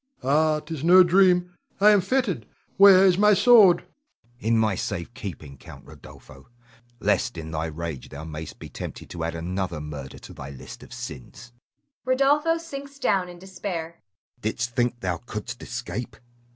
Ah, 'tis no dream, I am fettered! Where is my sword? Hugo. In my safe keeping, Count Rodolpho, lest in thy rage thou may'st be tempted to add another murder to thy list of sins. [Rodolpho sinks down in despair.] Didst think thou couldst escape?